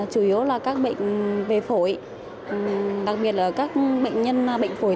chủ yếu là các bệnh về phổi đặc biệt là các bệnh nhân bệnh phổi